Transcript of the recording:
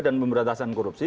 dan pemberantasan korupsi